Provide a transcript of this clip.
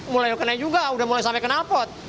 mulai kena juga udah mulai sampai kenal pot